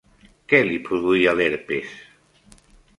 Què li produïa l'herpes?